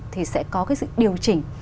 thì sẽ có cái sự điều chỉnh